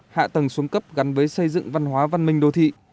hạ tầng xuống cấp gắn với xây dựng văn hóa văn minh đô thị